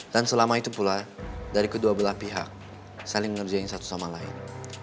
dan selama itu pula dari kedua belah pihak saling ngerjain satu sama lain